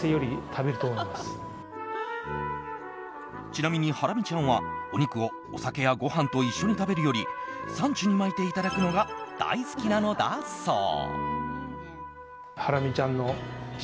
ちなみに、ハラミちゃんはお肉をお酒やご飯と一緒に食べるよりサンチュに巻いていただくのが大好きなのだそう。